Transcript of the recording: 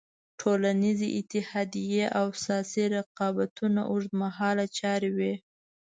ټولنیزې اتحادیې او سیاسي رقابتونه اوږد مهاله چارې وې.